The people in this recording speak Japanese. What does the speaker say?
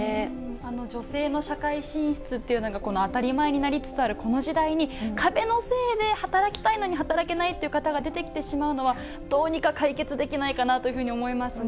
女性の社会進出っていうのがこの当たり前になりつつあるこの時代に、壁のせいで働きたいのに働けないっていう方が出てきてしまうのは、どうにか解決できないかなというふうに思いますね。